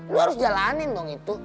lo harus jalanin dong itu